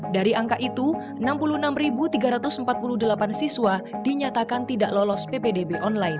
dari angka itu enam puluh enam tiga ratus empat puluh delapan siswa dinyatakan tidak lolos ppdb online